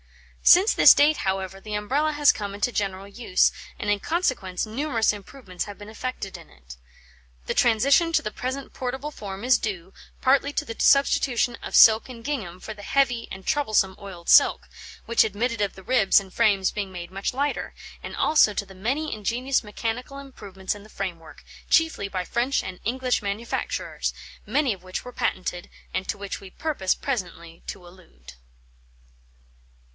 Since this date, however, the Umbrella has come into general use, and in consequence numerous improvements have been effected in it. The transition to the present portable form is due, partly to the substitution of silk and gingham for the heavy and troublesome oiled silk, which admitted of the ribs and frames being made much lighter, and also to the many ingenious mechanical improvements in the framework, chiefly by French and English manufacturers, many of which were patented, and to which we purpose presently to allude.